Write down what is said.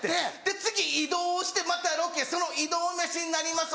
で次移動してまたロケその移動飯になります。